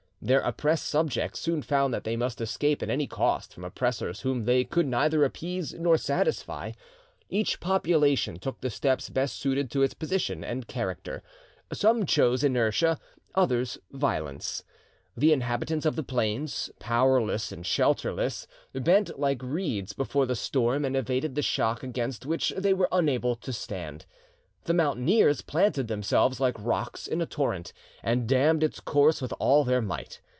Their oppressed subjects soon found that they must escape at any cost from oppressors whom they could neither appease nor satisfy. Each population took the steps best suited to its position and character; some chose inertia, others violence. The inhabitants of the plains, powerless and shelterless, bent like reeds before the storm and evaded the shock against which they were unable to stand. The mountaineers planted themselves like rocks in a torrent, and dammed its course with all their might.